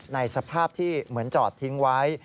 ในสภาพที่เหมือนจอดทิ้งไว้